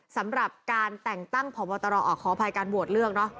สำหรับการแต่งตั้งพบตรขออภัยการโหวตเลือกเนอะ